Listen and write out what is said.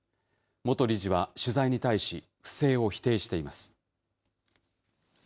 元理事は取材に対し、不正を否定しています。